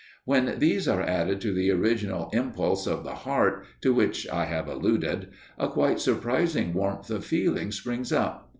When these are added to the original impulse of the heart, to which I have alluded, a quite surprising warmth of feeling springs up.